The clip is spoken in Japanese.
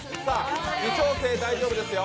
微調整大丈夫ですよ。